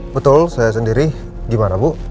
betul saya sendiri gimana bu